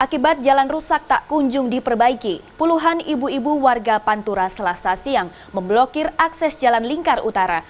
akibat jalan rusak tak kunjung diperbaiki puluhan ibu ibu warga pantura selasa siang memblokir akses jalan lingkar utara